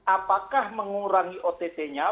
apakah mengurangi ott nya